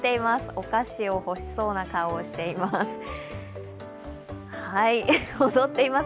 お菓子を欲しそうな顔をしています。